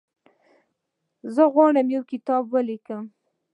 زه غواړم یو کتاب ولیکم.